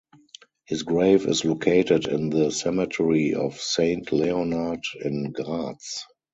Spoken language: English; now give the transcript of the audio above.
His grave is located in the cemetery of Saint Leonhard in Graz.